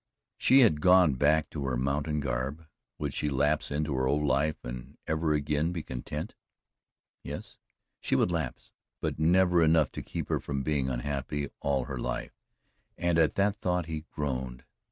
She had gone back to her mountain garb would she lapse into her old life and ever again be content? Yes, she would lapse, but never enough to keep her from being unhappy all her life, and at that thought he groaned.